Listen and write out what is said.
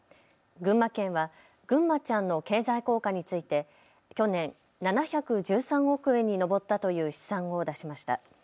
群馬県はぐんまちゃんの経済効果について去年、７１３億円に上ったという試算を出しました。